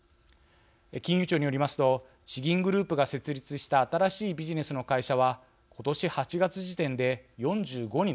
金融庁によりますと地銀グループが設立した新しいビジネスの会社は今年８月時点で４５に上ります。